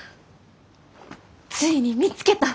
ついに見つけた。